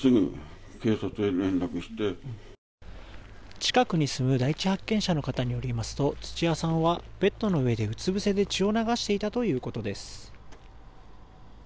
近くに住む第１発見者の方によりますと土屋さんはベッドの上でうつぶせで血を流していたということです。